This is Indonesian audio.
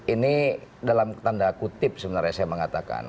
ini dalam tanda kutip sebenarnya saya mengatakan